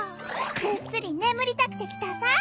ぐっすり眠りたくて来たさ？